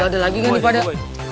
lo ada lagi kan di padang